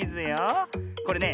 これね